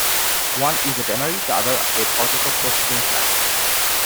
One is a tannery, the other a potato processing plant.